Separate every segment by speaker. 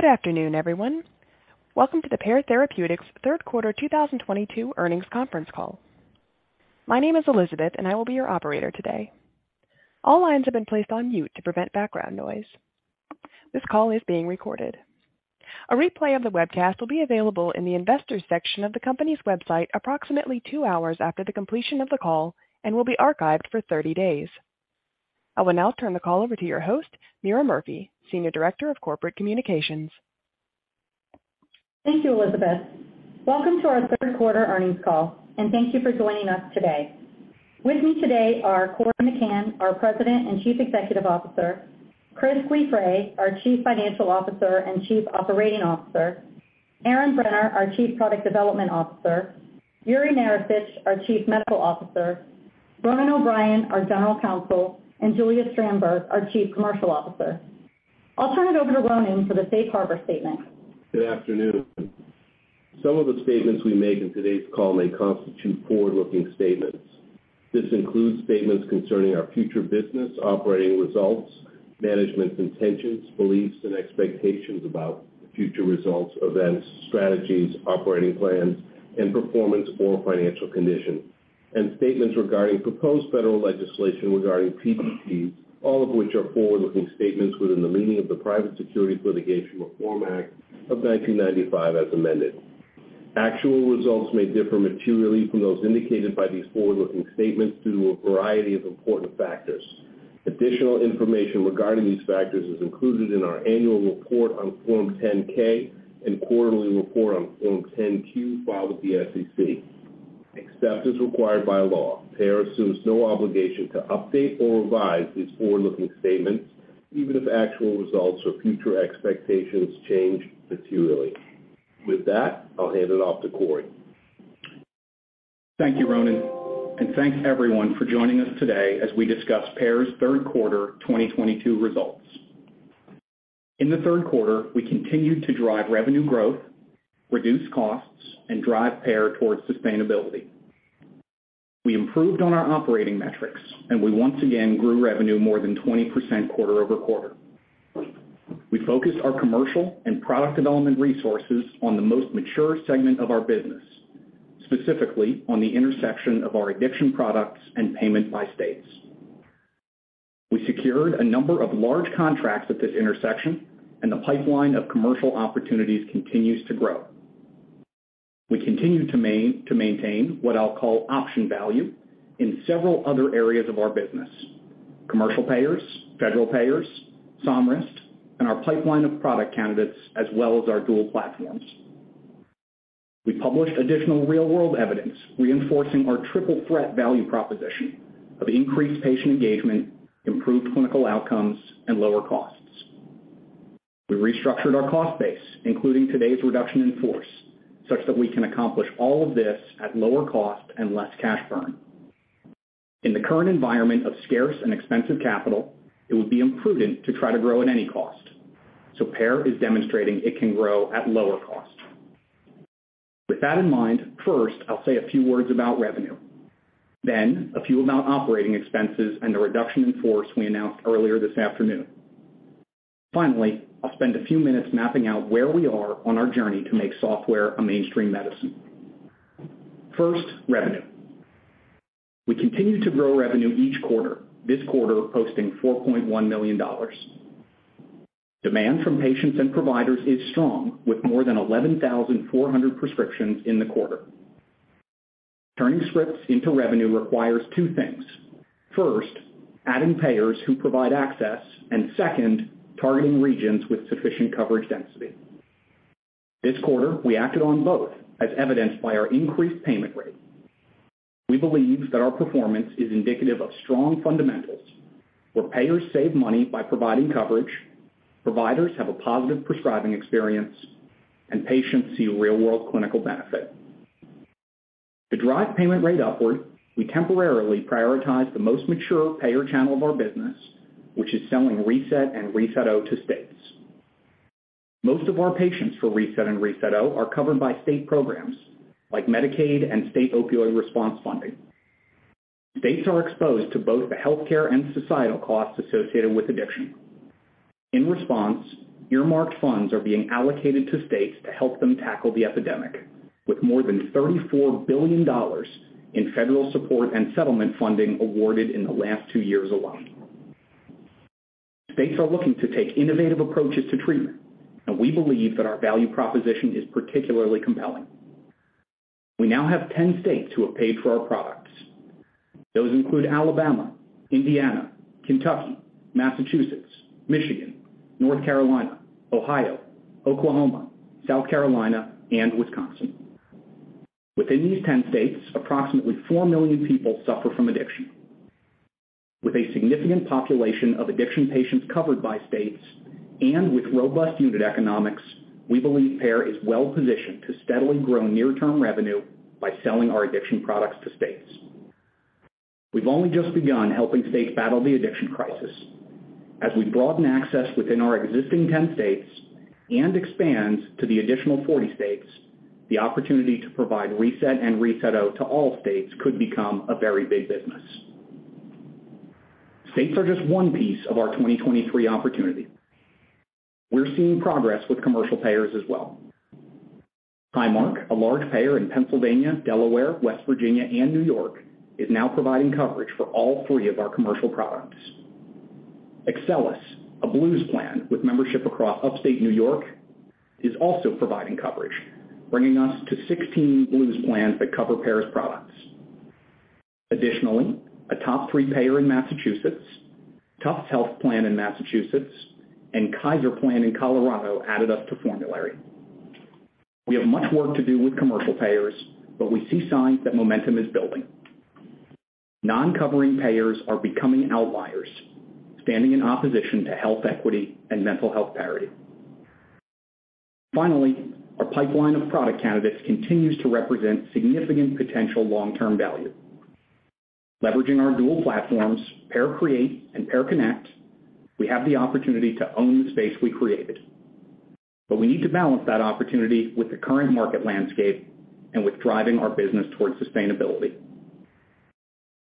Speaker 1: Good afternoon, everyone. Welcome to the Pear Therapeutics third quarter 2022 earnings conference call. My name is Elizabeth, and I will be your operator today. All lines have been placed on mute to prevent background noise. This call is being recorded. A replay of the webcast will be available in the Investors section of the company's website approximately two hours after the completion of the call and will be archived for 30 days. I will now turn the call over to your host, Meara Murphy, Senior Director of Corporate Communications.
Speaker 2: Thank you, Elizabeth. Welcome to our third quarter earnings call, and thank you for joining us today. With me today are Corey McCann, our President and Chief Executive Officer, Chris Guiffre, our Chief Financial Officer and Chief Operating Officer, Erin Brenner, our Chief Product Development Officer, Yuri Maricich, our Chief Medical Officer, Ronan O'Brien, our General Counsel, and Julia Strandberg, our Chief Commercial Officer. I'll turn it over to Ronan for the safe harbor statement.
Speaker 3: Good afternoon. Some of the statements we make in today's call may constitute forward-looking statements. This includes statements concerning our future business, operating results, management's intentions, beliefs, and expectations about future results, events, strategies, operating plans and performance or financial condition, and statements regarding proposed federal legislation regarding PDTs, all of which are forward-looking statements within the meaning of the Private Securities Litigation Reform Act of 1995, as amended. Actual results may differ materially from those indicated by these forward-looking statements due to a variety of important factors. Additional information regarding these factors is included in our annual report on Form 10-K and quarterly report on Form 10-Q filed with the SEC. Except as required by law, Pear assumes no obligation to update or revise these forward-looking statements, even if actual results or future expectations change materially. With that, I'll hand it off to Corey.
Speaker 4: Thank you, Ronan, and thanks, everyone for joining us today as we discuss Pear's third quarter 2022 results. In the third quarter, we continued to drive revenue growth, reduce costs, and drive Pear towards sustainability. We improved on our operating metrics, and we once again grew revenue more than 20% quarter-over-quarter. We focused our commercial and product development resources on the most mature segment of our business, specifically on the intersection of our addiction products and payment by states. We secured a number of large contracts at this intersection and the pipeline of commercial opportunities continues to grow. We continue to maintain what I'll call option value in several other areas of our business, commercial payers, federal payers, Somryst, and our pipeline of product candidates as well as our dual platforms. We published additional real-world evidence reinforcing our triple-threat value proposition of increased patient engagement, improved clinical outcomes and lower costs. We restructured our cost base, including today's reduction in force, such that we can accomplish all of this at lower cost and less cash burn. In the current environment of scarce and expensive capital, it would be imprudent to try to grow at any cost. Pear is demonstrating it can grow at lower cost. With that in mind, first, I'll say a few words about revenue. Then a few about operating expenses and the reduction in force we announced earlier this afternoon. Finally, I'll spend a few minutes mapping out where we are on our journey to make software a mainstream medicine. First, revenue. We continue to grow revenue each quarter, this quarter posting $4.1 million. Demand from patients and providers is strong, with more than 11,400 prescriptions in the quarter. Turning scripts into revenue requires two things. First, adding payers who provide access, and second, targeting regions with sufficient coverage density. This quarter, we acted on both, as evidenced by our increased payment rate. We believe that our performance is indicative of strong fundamentals where payers save money by providing coverage, providers have a positive prescribing experience, and patients see real-world clinical benefit. To drive payment rate upward, we temporarily prioritize the most mature payer channel of our business, which is selling reSET and reSET-O to states. Most of our patients for reSET and reSET-O are covered by state programs like Medicaid and State Opioid Response funding. States are exposed to both the healthcare and societal costs associated with addiction. In response, earmarked funds are being allocated to states to help them tackle the epidemic. With more than $34 billion in federal support and settlement funding awarded in the last two years alone. States are looking to take innovative approaches to treatment, and we believe that our value proposition is particularly compelling. We now have 10 states who have paid for our products. Those include Alabama, Indiana, Kentucky, Massachusetts, Michigan, North Carolina, Ohio, Oklahoma, South Carolina, and Wisconsin. Within these 10 states, approximately four million people suffer from addiction. With a significant population of addiction patients covered by states and with robust unit economics, we believe Pear is well positioned to steadily grow near-term revenue by selling our addiction products to states. We've only just begun helping states battle the addiction crisis. As we broaden access within our existing 10 states and expand to the additional 40 states, the opportunity to provide reSET and reSET-O to all states could become a very big business. States are just one piece of our 2023 opportunity. We're seeing progress with commercial payers as well. Highmark, a large payer in Pennsylvania, Delaware, West Virginia, and New York, is now providing coverage for all three of our commercial products. Excellus, a Blues plan with membership across Upstate New York, is also providing coverage, bringing us to 16 Blues plans that cover Pear's products. Additionally, a top three payer in Massachusetts, Tufts Health Plan in Massachusetts, and Kaiser Permanente in Colorado added us to formulary. We have much work to do with commercial payers, but we see signs that momentum is building. Non-covering payers are becoming outliers, standing in opposition to health equity and mental health parity. Finally, our pipeline of product candidates continues to represent significant potential long-term value. Leveraging our dual platforms, PearCreate and PearConnect, we have the opportunity to own the space we created. We need to balance that opportunity with the current market landscape and with driving our business towards sustainability.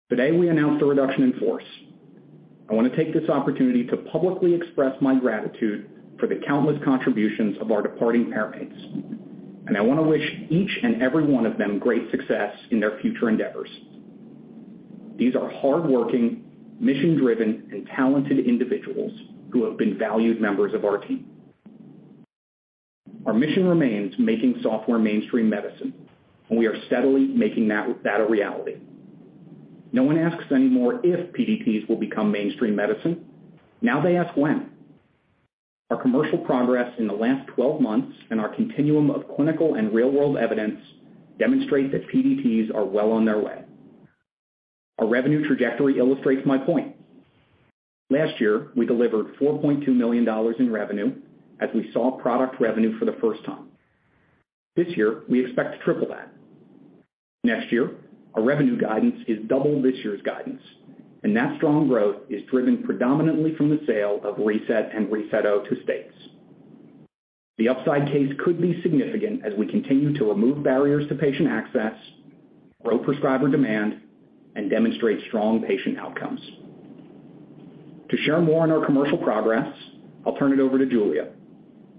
Speaker 4: Today, we announced a reduction in force. I want to take this opportunity to publicly express my gratitude for the countless contributions of our departing Pearmates, and I want to wish each and every one of them great success in their future endeavors. These are hardworking, mission-driven, and talented individuals who have been valued members of our team. Our mission remains making software mainstream medicine, and we are steadily making that a reality. No one asks anymore if PDTs will become mainstream medicine. Now they ask when. Our commercial progress in the last 12 months and our continuum of clinical and real-world evidence demonstrate that PDTs are well on their way. Our revenue trajectory illustrates my point. Last year, we delivered $4.2 million in revenue as we saw product revenue for the first time. This year, we expect to triple that. Next year, our revenue guidance is double this year's guidance, and that strong growth is driven predominantly from the sale of reSET and reSET-O to states. The upside case could be significant as we continue to remove barriers to patient access, grow prescriber demand, and demonstrate strong patient outcomes. To share more on our commercial progress, I'll turn it over to Julia.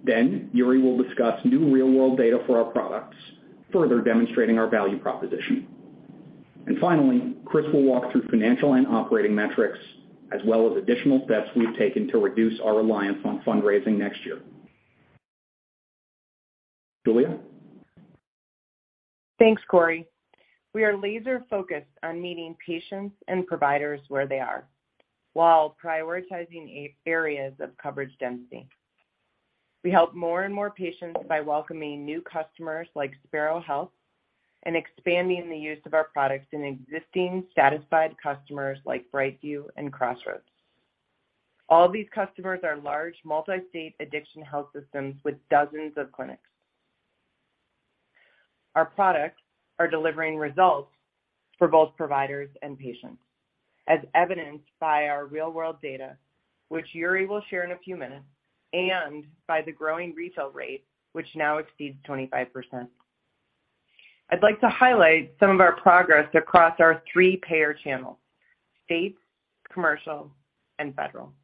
Speaker 4: Then Yuri will discuss new real-world data for our products, further demonstrating our value proposition. Finally, Chris will walk through financial and operating metrics as well as additional steps we've taken to reduce our reliance on fundraising next year. Julia.
Speaker 5: Thanks, Corey. We are laser-focused on meeting patients and providers where they are while prioritizing areas of coverage density. We help more and more patients by welcoming new customers like Sparrow Health System and expanding the use of our products in existing satisfied customers like BrightView and Crossroads Treatment Centers. All these customers are large multi-state addiction health systems with dozens of clinics. Our products are delivering results for both providers and patients, as evidenced by our real-world data which Yuri will share in a few minutes and by the growing refill rate, which now exceeds 25%. I'd like to highlight some of our progress across our three payer channels: states, commercial, and federal.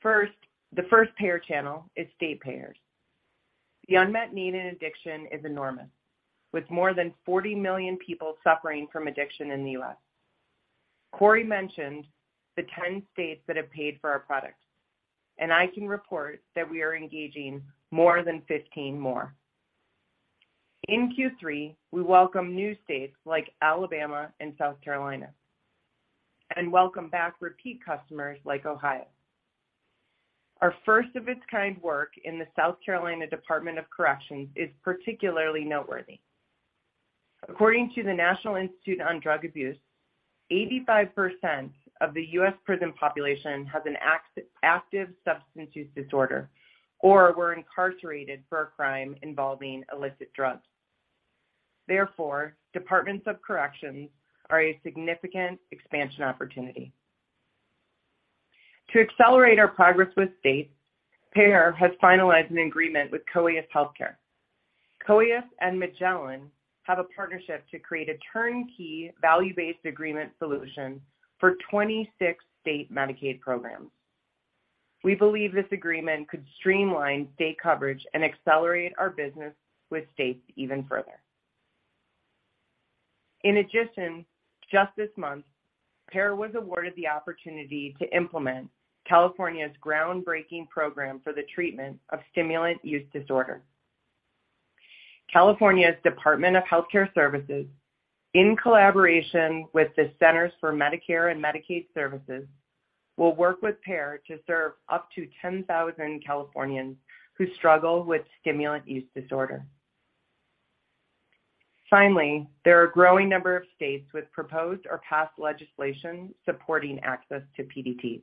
Speaker 5: First, the first payer channel is state payers. The unmet need in addiction is enormous, with more than 40 million people suffering from addiction in the U.S. Corey mentioned the 10 states that have paid for our products, and I can report that we are engaging more than 15 more. In Q3, we welcome new states like Alabama and South Carolina, and welcomed back repeat customers like Ohio. Our first-of-its kind-work in the South Carolina Department of Corrections is particularly noteworthy. According to the National Institute on Drug Abuse, 85% of the U.S. prison population has an active substance use disorder or were incarcerated for a crime involving illicit drugs. Therefore, departments of corrections are a significant expansion opportunity. To accelerate our progress with states, Pear has finalized an agreement with COEUS Healthcare. COEUS and Magellan have a partnership to create a turnkey value-based agreement solution for 26 state Medicaid programs. We believe this agreement could streamline state coverage and accelerate our business with states even further. In addition, just this month, Pear was awarded the opportunity to implement California's groundbreaking program for the treatment of stimulant use disorder. California's Department of Health Care Services, in collaboration with the Centers for Medicare & Medicaid Services, will work with Pear to serve up to 10,000 Californians who struggle with stimulant use disorder. Finally, there are a growing number of states with proposed or passed legislation supporting access to PDTs.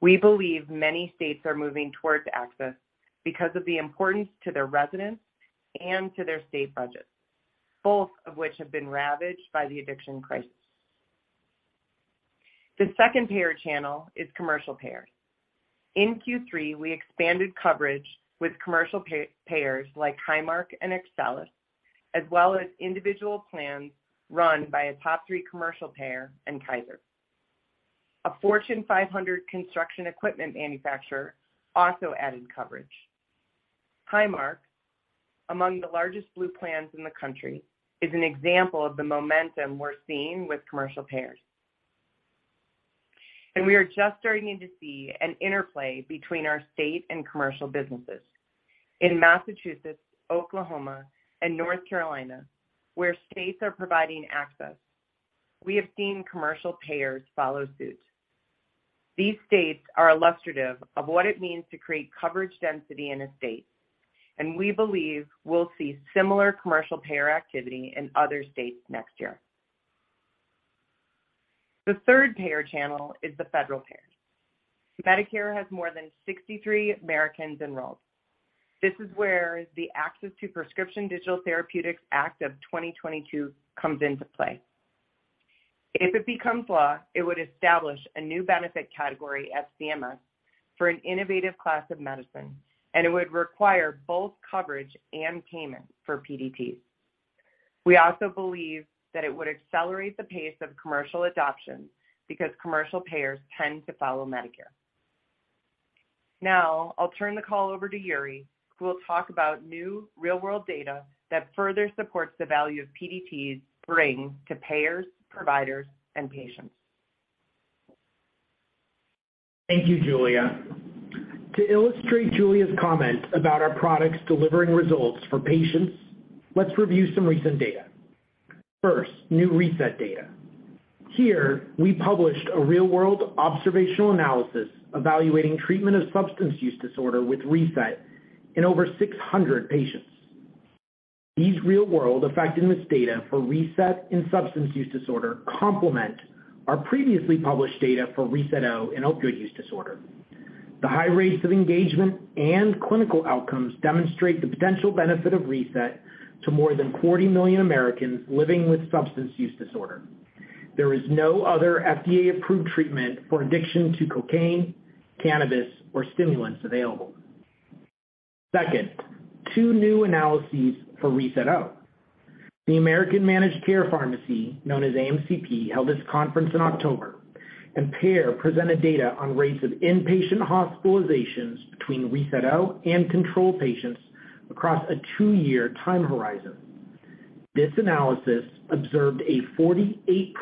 Speaker 5: We believe many states are moving towards access because of the importance to their residents and to their state budgets, both of which have been ravaged by the addiction crisis. The second payer channel is commercial payers. In Q3, we expanded coverage with commercial payers like Highmark and Excellus, as well as individual plans run by a top three commercial payer and Kaiser. A Fortune 500 construction equipment manufacturer also added coverage. Highmark, among the largest Blue plans in the country, is an example of the momentum we're seeing with commercial payers. We are just starting to see an interplay between our state and commercial businesses. In Massachusetts, Oklahoma, and North Carolina, where states are providing access, we have seen commercial payers follow suit. These states are illustrative of what it means to create coverage density in a state, and we believe we'll see similar commercial payer activity in other states next year. The third payer channel is the federal payer. Medicare has more than 63 million Americans enrolled. This is where the Access to Prescription Digital Therapeutics Act of 2022 comes into play. If it becomes law, it would establish a new benefit category at CMS for an innovative class of medicine, and it would require both coverage and payment for PDTs. We also believe that it would accelerate the pace of commercial adoption because commercial payers tend to follow Medicare. Now, I'll turn the call over to Yuri, who will talk about new real-world data that further supports the value of PDTs bring to payers, providers, and patients.
Speaker 6: Thank you, Julia. To illustrate Julia's comment about our products delivering results for patients, let's review some recent data. First, new reSET data. Here, we published a real-world observational analysis evaluating treatment of substance use disorder with reSET in over 600 patients. These real-world effectiveness data for reSET in substance use disorder complement our previously published data for reSET-O in opioid use disorder. The high rates of engagement and clinical outcomes demonstrate the potential benefit of reSET to more than 40 million Americans living with substance use disorder. There is no other FDA-approved treatment for addiction to cocaine, cannabis, or stimulants available. Second, two new analyses for reSET-O. The Academy of Managed Care Pharmacy, known as AMCP, held its conference in October, and Pear presented data on rates of inpatient hospitalizations between reSET-O and control patients across a two-year time horizon. This analysis observed a 48%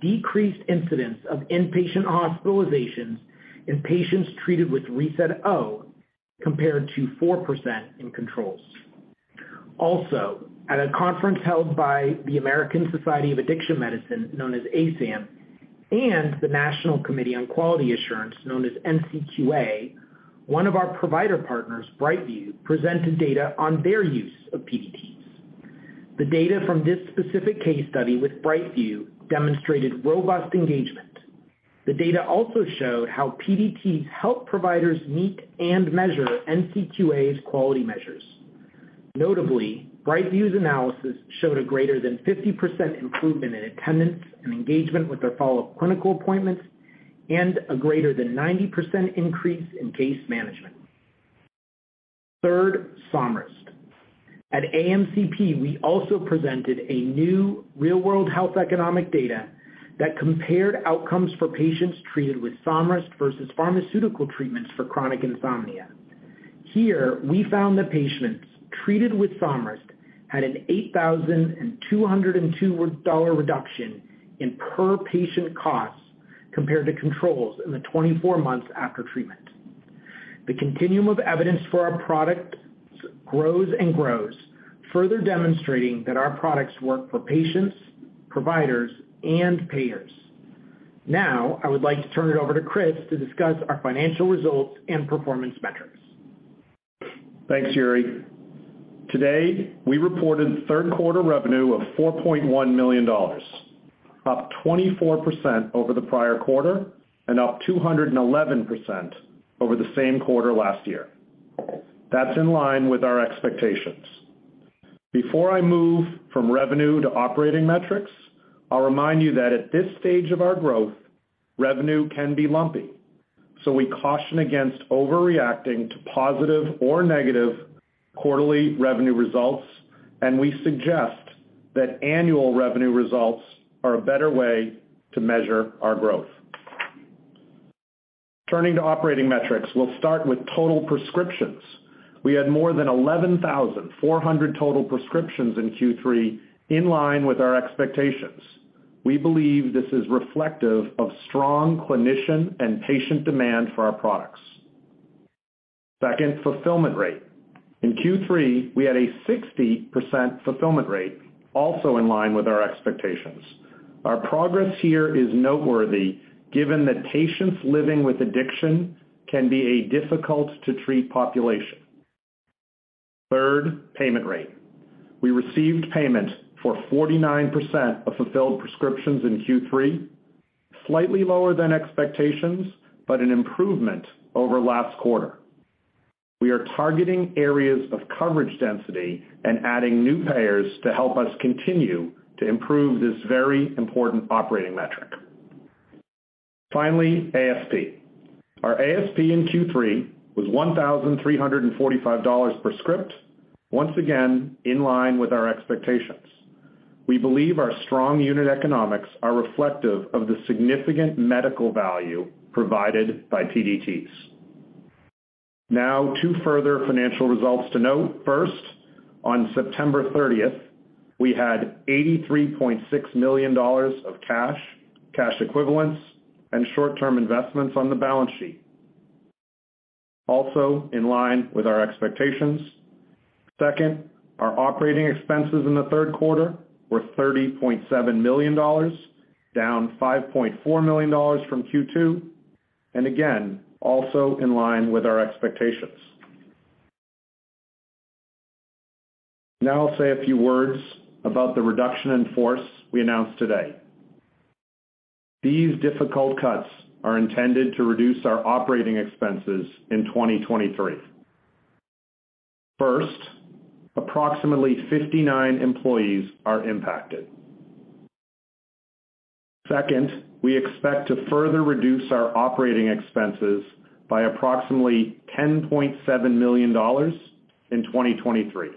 Speaker 6: decreased incidence of inpatient hospitalizations in patients treated with reSET-O, compared to 4% in controls. Also, at a conference held by the American Society of Addiction Medicine, known as ASAM, and the National Committee for Quality Assurance, known as NCQA, one of our provider partners, BrightView, presented data on their use of PDTs. The data from this specific case study with BrightView demonstrated robust engagement. The data also showed how PDTs help providers meet and measure NCQA's quality measures. Notably, BrightView's analysis showed a greater than 50% improvement in attendance and engagement with their follow-up clinical appointments and a greater than 90% increase in case management. Third, Somryst. At AMCP, we also presented a new real-world health economic data that compared outcomes for patients treated with Somryst versus pharmaceutical treatments for chronic insomnia. Here, we found that patients treated with Somryst had an $8,202 reduction in per-patient costs compared to controls in the 24 months after treatment. The continuum of evidence for our product grows and grows, further demonstrating that our products work for patients, providers, and payers. Now, I would like to turn it over to Chris to discuss our financial results and performance metrics.
Speaker 7: Thanks, Yuri. Today, we reported third quarter revenue of $4.1 million, up 24% over the prior quarter and up 211% over the same quarter last year. That's in line with our expectations. Before I move from revenue to operating metrics, I'll remind you that at this stage of our growth, revenue can be lumpy. We caution against overreacting to positive or negative quarterly revenue results, and we suggest that annual revenue results are a better way to measure our growth. Turning to operating metrics, we'll start with total prescriptions. We had more than 11,400 total prescriptions in Q3, in line with our expectations. We believe this is reflective of strong clinician and patient demand for our products. Second, fulfillment rate. In Q3, we had a 60% fulfillment rate, also in line with our expectations. Our progress here is noteworthy, given that patients living with addiction can be a difficult to treat population. Third, payment rate. We received payment for 49% of fulfilled prescriptions in Q3, slightly lower than expectations, but an improvement over last quarter. We are targeting areas of coverage density and adding new payers to help us continue to improve this very important operating metric. Finally, ASP. Our ASP in Q3 was $1,345 per script, once again in line with our expectations. We believe our strong unit economics are reflective of the significant medical value provided by PDTs. Now two further financial results to note. First, on September 30, we had $83.6 million of cash equivalents and short-term investments on the balance sheet, also in line with our expectations. Second, our operating expenses in the third quarter were $30.7 million, down $5.4 million from Q2, and again, also in line with our expectations. Now I'll say a few words about the reduction in force we announced today. These difficult cuts are intended to reduce our operating expenses in 2023. First, approximately 59 employees are impacted. Second, we expect to further reduce our operating expenses by approximately $10.7 million in 2023.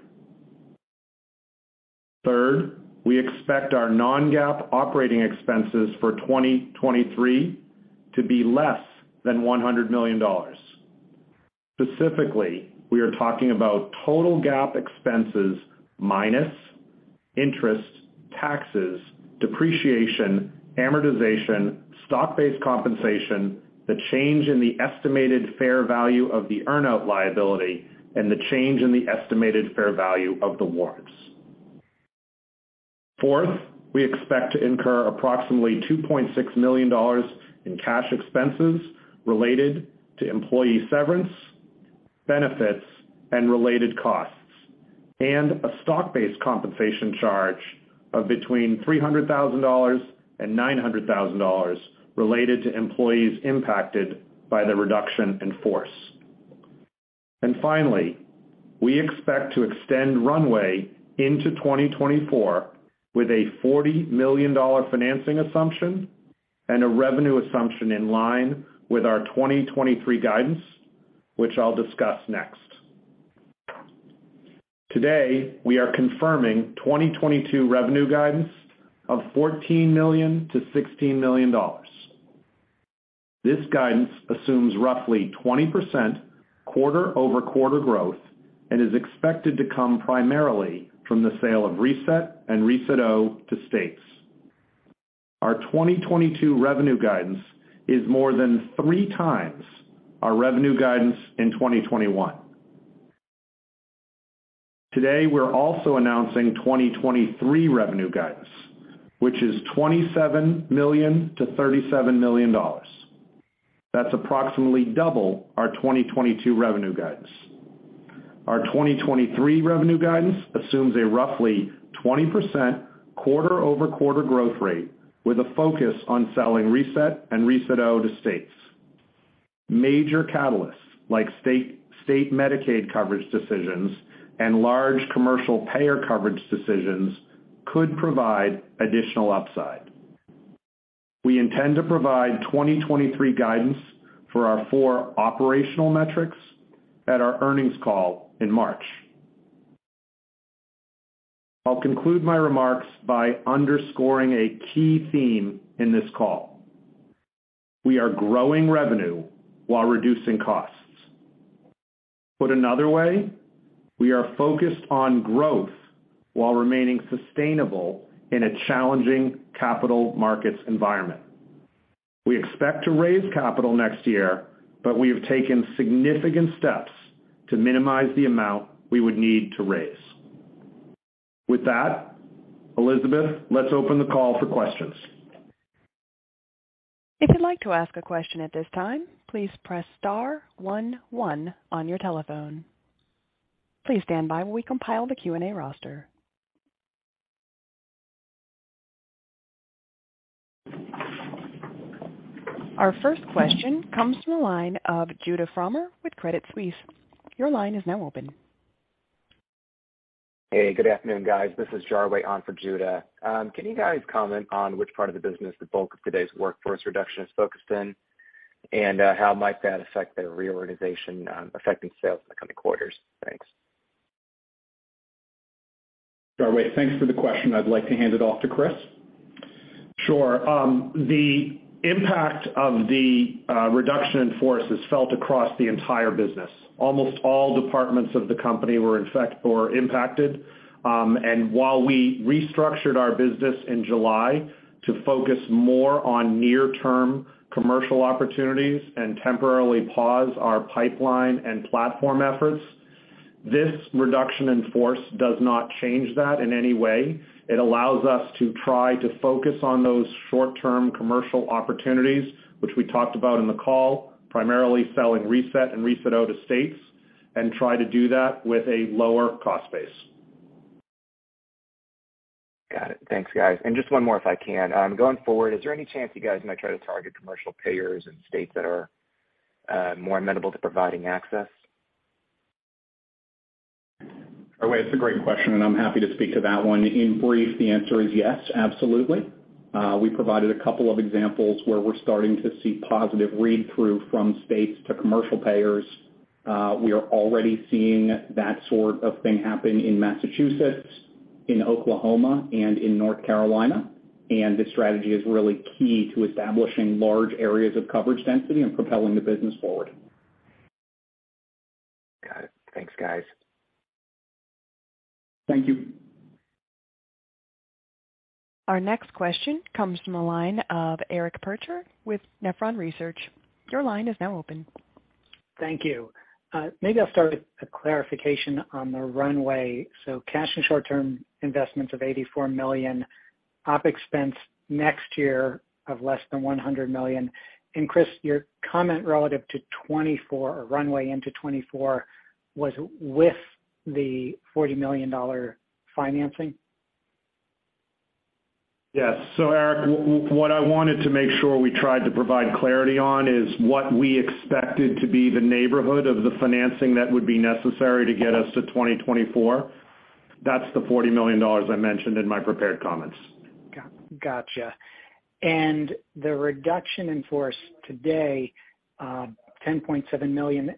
Speaker 7: Third, we expect our non-GAAP operating expenses for 2023 to be less than $100 million. Specifically, we are talking about total GAAP expenses minus interest, taxes, depreciation, amortization, stock-based compensation, the change in the estimated fair value of the earn-out liability, and the change in the estimated fair value of the warrants. Fourth, we expect to incur approximately $2.6 million in cash expenses related to employee severance, benefits, and related costs, and a stock-based compensation charge of between $300,000 and $900,000 related to employees impacted by the reduction in force. Finally, we expect to extend runway into 2024 with a $40 million financing assumption and a revenue assumption in line with our 2023 guidance, which I'll discuss next. Today, we are confirming 2022 revenue guidance of $14 million-$16 million. This guidance assumes roughly 20% quarter-over-quarter growth and is expected to come primarily from the sale of reSET and reSET-O to states. Our 2022 revenue guidance is more than three times our revenue guidance in 2021. Today, we're also announcing 2023 revenue guidance, which is $27 million-$37 million. That's approximately double our 2022 revenue guidance. Our 2023 revenue guidance assumes a roughly 20% quarter-over-quarter growth rate with a focus on selling reSET and reSET-O to states. Major catalysts like state Medicaid coverage decisions and large commercial payer coverage decisions could provide additional upside. We intend to provide 2023 guidance for our four operational metrics at our earnings call in March. I'll conclude my remarks by underscoring a key theme in this call. We are growing revenue while reducing costs. Put another way, we are focused on growth while remaining sustainable in a challenging capital markets environment. We expect to raise capital next year, but we have taken significant steps to minimize the amount we would need to raise. With that, Elizabeth, let's open the call for questions.
Speaker 1: If you'd like to ask a question at this time, please press star one one on your telephone. Please stand by while we compile the Q&A roster. Our first question comes from the line of Judah Frommer with Credit Suisse. Your line is now open.
Speaker 8: Hey, good afternoon, guys. This is Jiawei on for Judah. Can you guys comment on which part of the business the bulk of today's workforce reduction is focused in, and how might that affect the reorganization, affecting sales in the coming quarters? Thanks.
Speaker 4: Jiawei, thanks for the question. I'd like to hand it off to Chris.
Speaker 7: Sure. The impact of the reduction in force is felt across the entire business. Almost all departments of the company were impacted. While we restructured our business in July to focus more on near-term commercial opportunities and temporarily pause our pipeline and platform efforts, this reduction in force does not change that in any way. It allows us to try to focus on those short-term commercial opportunities, which we talked about in the call, primarily selling reSET and reSET-O to states, and try to do that with a lower cost base. Thanks guys. Just one more if I can. Going forward, is there any chance you guys might try to target commercial payers in states that are more amenable to providing access?
Speaker 4: Oh, wait, it's a great question, and I'm happy to speak to that one. In brief, the answer is yes, absolutely. We provided a couple of examples where we're starting to see positive read-through from states to commercial payers. We are already seeing that sort of thing happen in Massachusetts, in Oklahoma, and in North Carolina, and this strategy is really key to establishing large areas of coverage density and propelling the business forward.
Speaker 8: Got it. Thanks, guys.
Speaker 4: Thank you.
Speaker 1: Our next question comes from the line of Eric Percher with Nephron Research. Your line is now open.
Speaker 9: Thank you. Maybe I'll start with a clarification on the runway. Cash and short-term investments of $84 million. OpEx next year of less than $100 million. Chris, your comment relative to 2024 or runway into 2024 was with the $40 million financing?
Speaker 4: Eric, what I wanted to make sure we tried to provide clarity on is what we expected to be the neighborhood of the financing that would be necessary to get us to 2024. That's the $40 million I mentioned in my prepared comments.
Speaker 9: Gotcha. The reduction in force today, $10.7 million,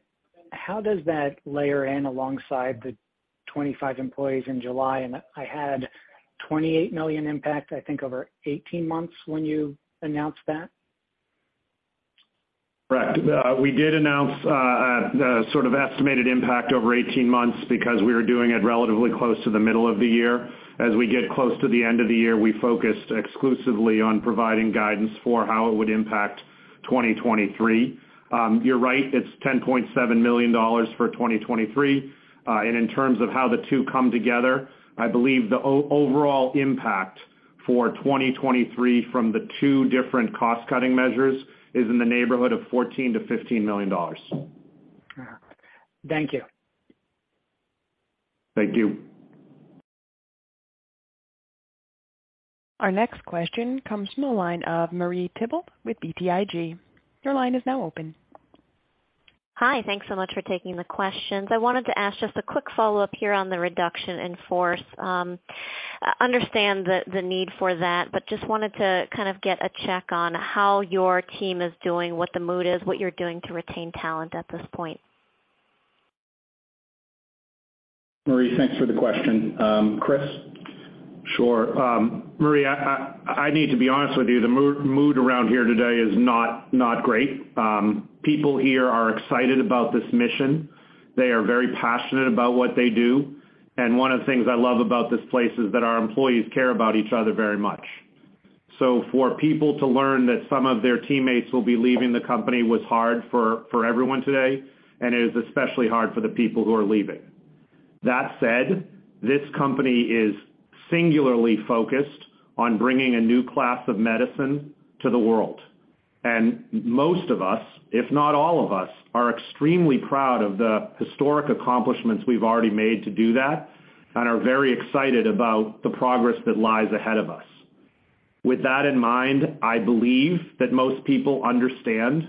Speaker 9: how does that layer in alongside the 25 employees in July? I had $28 million impact, I think, over 18 months when you announced that.
Speaker 4: Right. We did announce the sort of estimated impact over 18 months because we were doing it relatively close to the middle of the year. As we get close to the end of the year, we focused exclusively on providing guidance for how it would impact 2023. You're right, it's $10.7 million for 2023. And in terms of how the two come together, I believe the overall impact for 2023 from the two different cost-cutting measures is in the neighborhood of $14 million-$15 million.
Speaker 9: Thank you.
Speaker 4: Thank you.
Speaker 1: Our next question comes from the line of Marie Thibault with BTIG. Your line is now open.
Speaker 10: Hi. Thanks so much for taking the questions. I wanted to ask just a quick follow-up here on the reduction in force. Understand the need for that, but just wanted to kind of get a check on how your team is doing, what the mood is, what you're doing to retain talent at this point.
Speaker 4: Marie, thanks for the question. Chris?
Speaker 7: Sure. Marie, I need to be honest with you. The mood around here today is not great. People here are excited about this mission. They are very passionate about what they do, and one of the things I love about this place is that our employees care about each other very much. For people to learn that some of their teammates will be leaving the company was hard for everyone today, and it is especially hard for the people who are leaving. That said, this company is singularly focused on bringing a new class of medicine to the world. Most of us, if not all of us, are extremely proud of the historic accomplishments we've already made to do that and are very excited about the progress that lies ahead of us. With that in mind, I believe that most people understand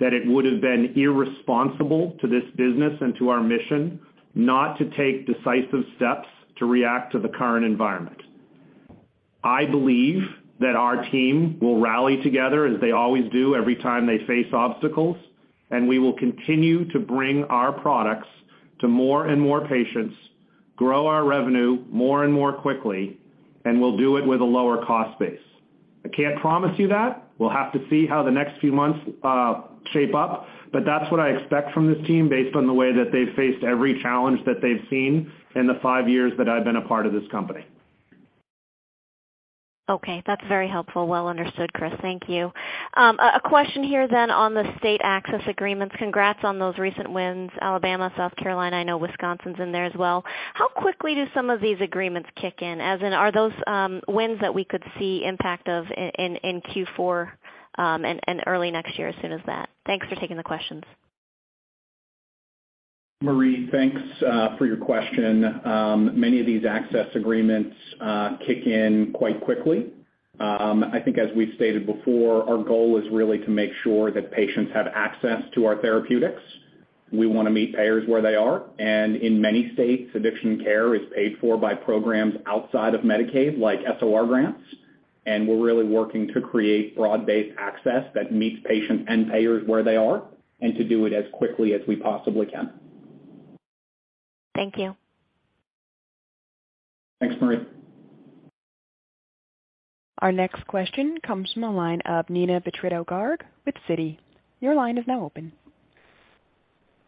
Speaker 7: that it would have been irresponsible to this business and to our mission not to take decisive steps to react to the current environment. I believe that our team will rally together as they always do every time they face obstacles, and we will continue to bring our products to more and more patients, grow our revenue more and more quickly, and we'll do it with a lower cost base. I can't promise you that. We'll have to see how the next few months shape up, but that's what I expect from this team based on the way that they've faced every challenge that they've seen in the five years that I've been a part of this company.
Speaker 10: Okay. That's very helpful. Well understood, Chris. Thank you. A question here on the state access agreements. Congrats on those recent wins, Alabama, South Carolina. I know Wisconsin's in there as well. How quickly do some of these agreements kick in? As in, are those wins that we could see impact of in Q4, and early next year as soon as that? Thanks for taking the questions.
Speaker 4: Marie, thanks for your question. Many of these access agreements kick in quite quickly. I think as we stated before, our goal is really to make sure that patients have access to our therapeutics. We wanna meet payers where they are, and in many states, addiction care is paid for by programs outside of Medicaid, like SOR grants. We're really working to create broad-based access that meets patients and payers where they are and to do it as quickly as we possibly can.
Speaker 10: Thank you.
Speaker 4: Thanks, Marie.
Speaker 1: Our next question comes from the line of Neena Bitritto-Garg with Citi. Your line is now open.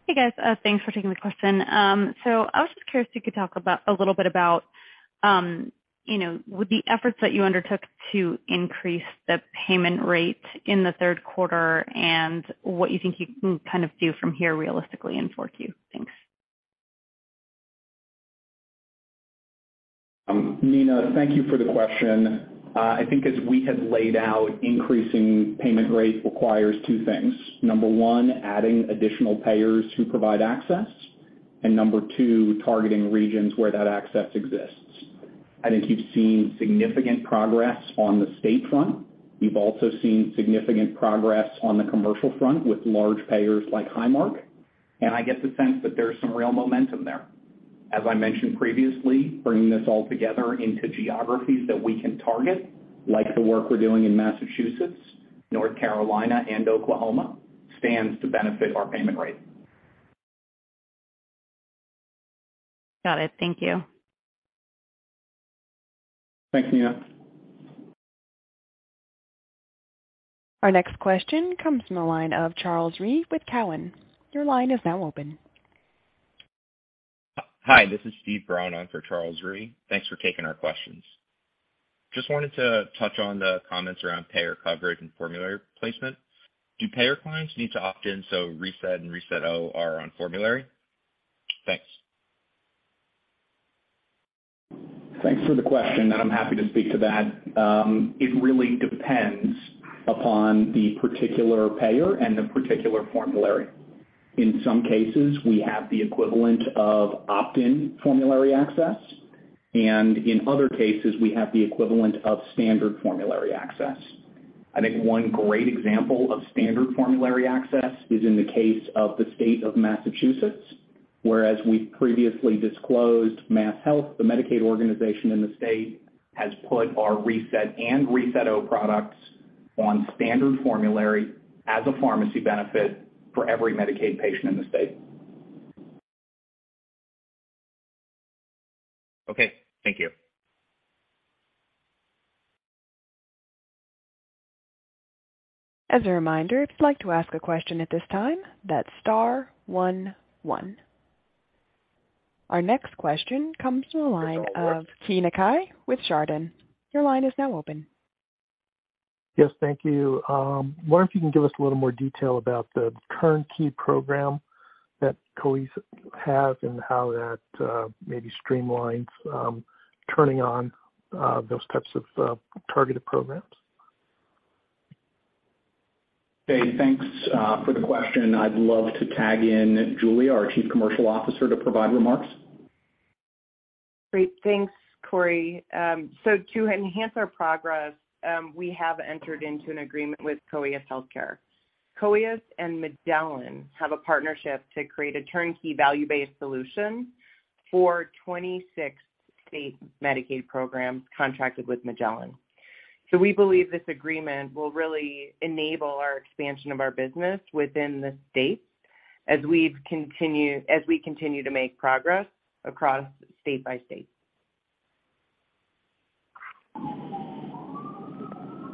Speaker 11: Hey, guys. Thanks for taking the question. I was just curious if you could talk about a little bit about, you know, with the efforts that you undertook to increase the payment rate in the third quarter and what you think you can kind of do from here realistically in 4Q. Thanks.
Speaker 4: Neena, thank you for the question. I think as we have laid out, increasing payment rate requires two things. Number one, adding additional payers who provide access. Number two, targeting regions where that access exists. I think you've seen significant progress on the state front. We've also seen significant progress on the commercial front with large payers like Highmark, and I get the sense that there's some real momentum there. As I mentioned previously, bringing this all together into geographies that we can target, like the work we're doing in Massachusetts, North Carolina and Oklahoma, stands to benefit our payment rate.
Speaker 11: Got it. Thank you.
Speaker 4: Thanks, Nina.
Speaker 1: Our next question comes from the line of Charles Rhyee with Cowen. Your line is now open.
Speaker 12: Hi, this is Steve Brown on for Charles Rhyee. Thanks for taking our questions. Just wanted to touch on the comments around payer coverage and formulary placement. Do payer clients need to opt in so reSET and reSET-O are on formulary? Thanks.
Speaker 4: Thanks for the question, and I'm happy to speak to that. It really depends upon the particular payer and the particular formulary. In some cases, we have the equivalent of opt-in formulary access, and in other cases, we have the equivalent of standard formulary access. I think one great example of standard formulary access is in the case of the state of Massachusetts, whereas we previously disclosed MassHealth, the Medicaid organization in the state, has put our reSET and reSET-O products on standard formulary as a pharmacy benefit for every Medicaid patient in the state.
Speaker 12: Okay. Thank you.
Speaker 1: As a reminder, if you'd like to ask a question at this time, that's star one one. Our next question comes from the line of Keay Nakae with Chardan. Your line is now open.
Speaker 13: Yes, thank you. Wonder if you can give us a little more detail about the current key program that COEUS have and how that maybe streamlines turning on those types of targeted programs?
Speaker 4: Okay, thanks, for the question. I'd love to tag in Julia, our Chief Commercial Officer, to provide remarks.
Speaker 5: Great. Thanks, Corey. To enhance our progress, we have entered into an agreement with COEUS Healthcare. COEUS and Magellan Health have a partnership to create a turnkey value-based solution for 26 state Medicaid programs contracted with Magellan Health. We believe this agreement will really enable our expansion of our business within the states as we continue to make progress across state by state.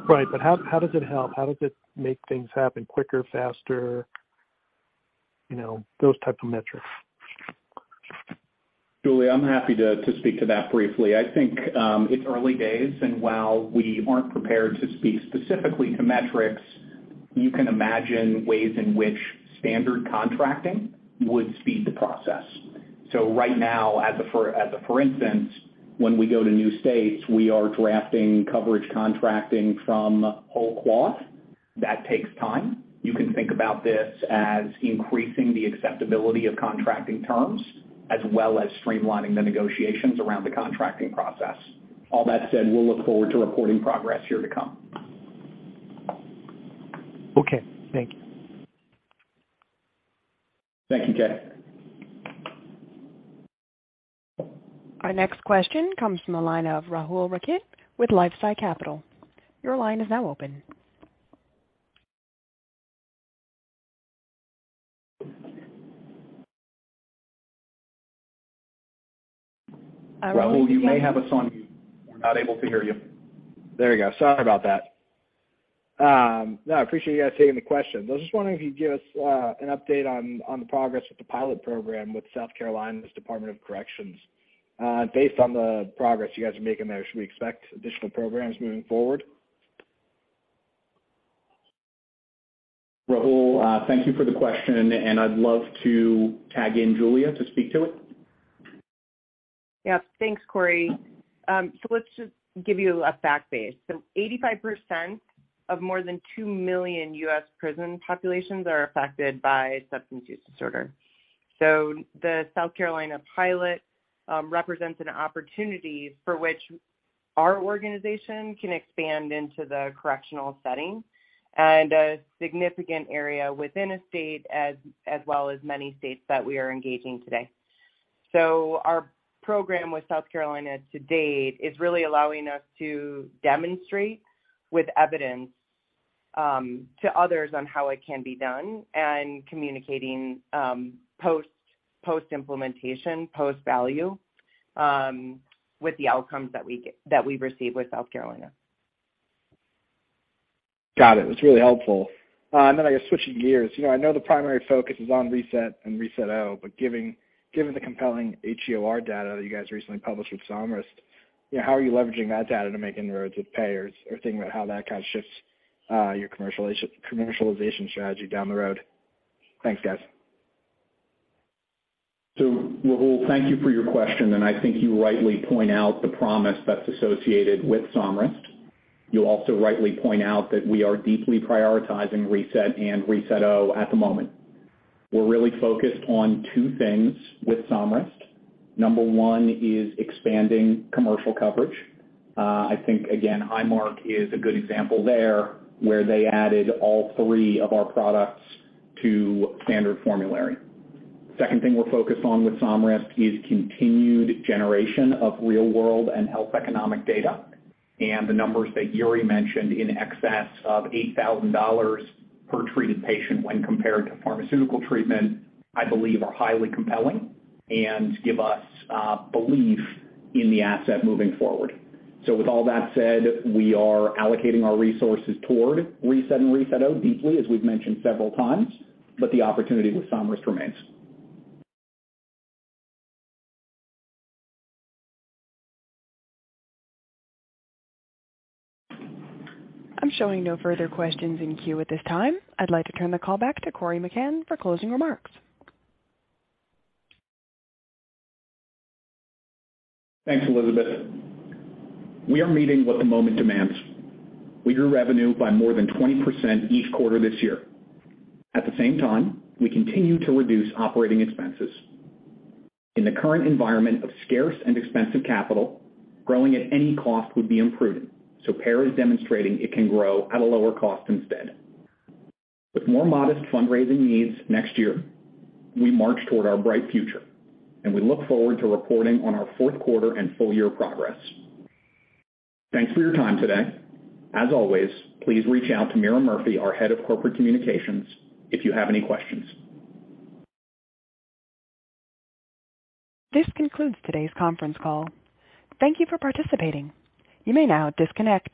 Speaker 13: Right. How does it help? How does it make things happen quicker, faster? You know, those type of metrics.
Speaker 4: Julie, I'm happy to speak to that briefly. I think it's early days, and while we aren't prepared to speak specifically to metrics, you can imagine ways in which standard contracting would speed the process. Right now, for instance, when we go to new states, we are drafting coverage contracting from whole cloth. That takes time. You can think about this as increasing the acceptability of contracting terms as well as streamlining the negotiations around the contracting process. All that said, we'll look forward to reporting progress here to come.
Speaker 13: Okay, thank you.
Speaker 4: Thank you, Keay.
Speaker 1: Our next question comes from the line of Rahul Rakhit with LifeSci Capital. Your line is now open.
Speaker 4: Rahul, you may have us on mute. We're not able to hear you.
Speaker 14: There you go. Sorry about that. No, I appreciate you guys taking the question. I was just wondering if you'd give us an update on the progress with the pilot program with South Carolina Department of Corrections. Based on the progress you guys are making there, should we expect additional programs moving forward?
Speaker 4: Rahul, thank you for the question, and I'd love to tag in Julia to speak to it.
Speaker 5: Yeah. Thanks, Corey. Let's just give you a fact base. 85% of more than two million U.S. prison populations are affected by substance use disorder. The South Carolina pilot represents an opportunity for which our organization can expand into the correctional setting and a significant area within a state as well as many states that we are engaging today. Our program with South Carolina to date is really allowing us to demonstrate with evidence to others on how it can be done and communicating post-implementation, post-value with the outcomes that we get, that we've received with South Carolina.
Speaker 14: Got it. It's really helpful. I guess, switching gears. You know, I know the primary focus is on reSET and reSET-O, but given the compelling HEOR data that you guys recently published with Somryst, you know, how are you leveraging that data to make inroads with payers or thinking about how that kind of shifts your commercialization strategy down the road? Thanks, guys.
Speaker 4: Rahul, thank you for your question, and I think you rightly point out the promise that's associated with Somryst. You also rightly point out that we are deeply prioritizing reSET and reSET-O at the moment. We're really focused on two things with Somryst. Number one is expanding commercial coverage. I think again, Highmark is a good example there, where they added all three of our products to standard formulary. Second thing we're focused on with Somryst is continued generation of real-world and health economic data, and the numbers that Yuri mentioned in excess of $8,000 per treated patient when compared to pharmaceutical treatment, I believe are highly compelling and give us belief in the asset moving forward. With all that said, we are allocating our resources toward reSET and reSET-O deeply, as we've mentioned several times, but the opportunity with Somryst remains.
Speaker 1: I'm showing no further questions in queue at this time. I'd like to turn the call back to Corey McCann for closing remarks.
Speaker 4: Thanks, Elizabeth. We are meeting what the moment demands. We grew revenue by more than 20% each quarter this year. At the same time, we continue to reduce operating expenses. In the current environment of scarce and expensive capital, growing at any cost would be imprudent, so Pear is demonstrating it can grow at a lower cost instead. With more modest fundraising needs next year, we march toward our bright future, and we look forward to reporting on our fourth quarter and full year progress. Thanks for your time today. As always, please reach out to Meara Murphy, our Head of Corporate Communications, if you have any questions.
Speaker 1: This concludes today's conference call. Thank you for participating. You may now disconnect.